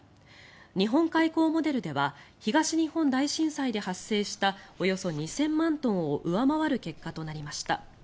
日本海溝モデルでは東日本大震災で発生したおよそ２０００万トンを上回る結果となりました。